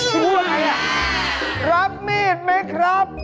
พี่กลัวอะไร